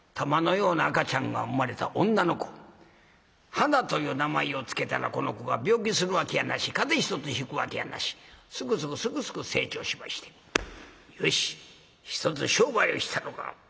ハナという名前を付けたらこの子が病気するわけやなし風邪ひとつひくわけやなしスクスクスクスク成長しまして「よしひとつ商売をしたろか」。